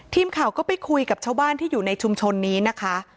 ทีมข่าวก็ไปคุยกับชาวบ้านที่อยู่ในชุมชนนี้นะคะ